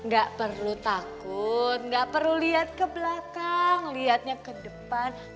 gak perlu takut nggak perlu lihat ke belakang lihatnya ke depan